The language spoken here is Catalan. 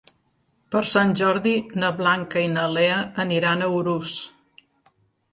Per Sant Jordi na Blanca i na Lea aniran a Urús.